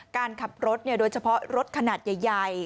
การขับรถโดยเฉพาะรถขนาดใหญ่